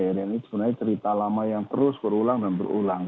brn ini sebenarnya cerita lama yang terus berulang dan berulang